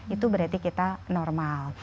itu berarti kita normal